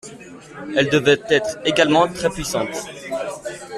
Elle devait être également très puissante.